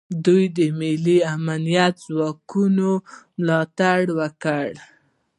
دوی د ملي امنیتي ځواکونو ملاتړ وکړ